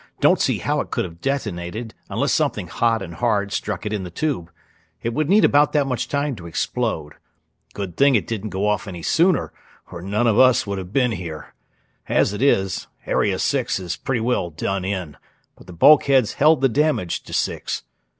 Don't see how it could have detonated unless something hot and hard struck it in the tube; it would need about that much time to explode. Good thing it didn't go off any sooner, or none of us would have been here. As it is, Area Six is pretty well done in, but the bulkheads held the damage to Six.